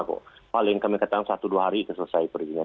kok paling kami katakan satu dua hari selesai perizinan